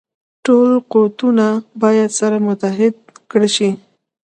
ټول قوتونه باید سره متحد کړه شي.